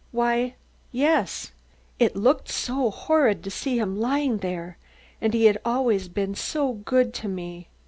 "Why, yes; it looked so horrid to see him lying there and he had always been so good to me.